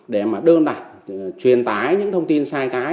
để mà đơn đặt truyền tải những thông tin sai trái